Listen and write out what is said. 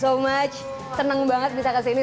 so much senang banget bisa kesini